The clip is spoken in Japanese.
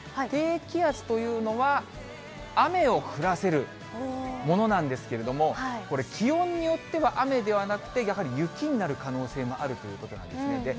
低気圧というのは、雨を降らせるものなんですけれども、これ、気温によっては雨ではなくてやはり雪になる可能性もあるということなんですね。